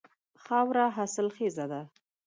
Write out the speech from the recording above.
خاوره حاصل خیزه ده.